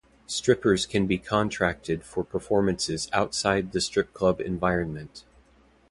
Strippers can be contracted for performances outside the strip club environment.